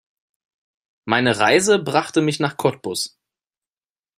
Meine Reise brachte mich nach Cottbus